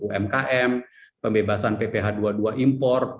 umkm pembebasan tph dua puluh dua import